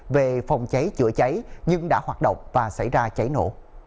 về phòng cháy chữa cháy nhưng đã hoạt động và xảy ra cháy nổ